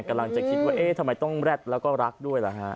กำลังจะคิดว่าเอ๊ะทำไมต้องแร็ดแล้วก็รักด้วยล่ะฮะ